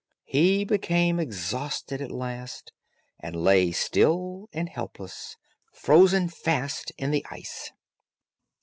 He became exhausted at last, and lay still and helpless, frozen fast in the ice.